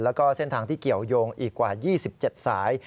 แล้วก็เส้นทางที่เกี่ยวยงอีกกว่า๒๗สาย